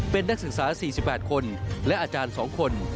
เป็นนักศึกษา๔๘คนและอาจารย์๒คน